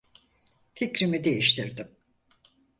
Fikrimi değiştirdim.